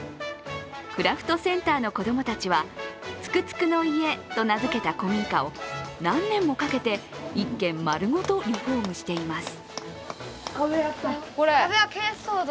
クラフトセンターの子供たちはつくつくの家と名付けた古民家を何年もかけて、一軒まるごとリフォームしています。